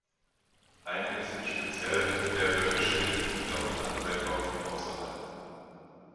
Einige sind speziell färöische Lieder und andere kommen von außerhalb.